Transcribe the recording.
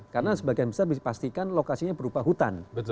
karena sebagian besar dipastikan lokasinya berupa hutan